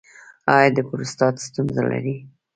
ایا د پروستات ستونزه لرئ؟